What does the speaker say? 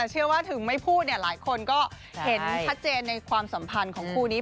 เชื่อว่าถึงไม่พูดเนี่ยหลายคนก็เห็นชัดเจนในความสัมพันธ์ของคู่นี้